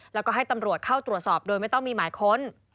แล้วก็ให้ตำรวจเข้าตรวจสอบโดยไม่ต้องมีหมายค้น